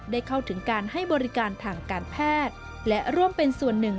เข้าถึงการให้บริการทางการแพทย์และร่วมเป็นส่วนหนึ่ง